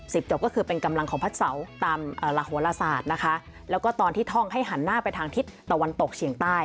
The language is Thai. จบก็คือเป็นกำลังของพระเสาตามอ่าละโหลศาสตร์นะคะแล้วก็ตอนที่ท่องให้หันหน้าไปทางทิศตะวันตกเฉียงใต้